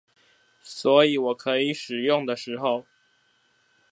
所以我可以使用的時候